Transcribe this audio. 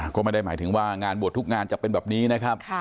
ก็ไม่ได้หมายถึงว่างานบวชทุกงานจะเป็นแบบนี้นะครับ